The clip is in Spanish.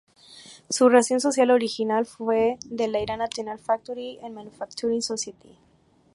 Su razón social original fue la de Iran National Factory and Manufacturing Society.